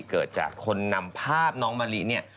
เกิดจากคนนำภาพน้องมะลิเนี่ย